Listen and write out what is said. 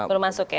belum masuk ya